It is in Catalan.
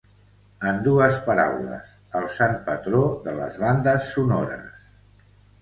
En dues paraules, el sant patró de les bandes sonores.